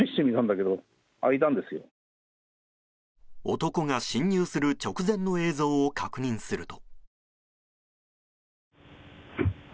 男が侵入する直前の映像を確認すると。